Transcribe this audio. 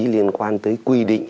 liên quan tới quy định